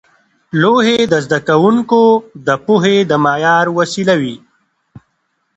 لوحې د زده کوونکو د پوهې د معیار وسیله وې.